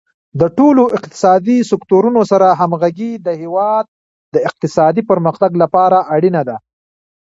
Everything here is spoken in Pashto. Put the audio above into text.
د ټولو اقتصادي سکتورونو سره همغږي د هیواد د اقتصادي پرمختګ لپاره اړینه ده.